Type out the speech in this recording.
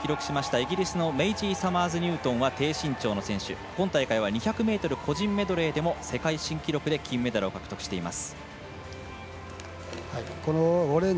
イギリスのメイジー・サマーズニュートンは低身長の選手、今大会は２００ｍ個人メドレーでも世界新記録で金メダルを獲得しています。